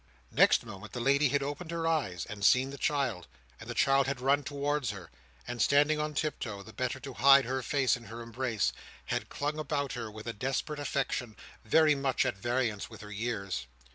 Next moment, the lady had opened her eyes and seen the child; and the child had run towards her; and, standing on tiptoe, the better to hide her face in her embrace, had clung about her with a desperate affection very much at variance with her years.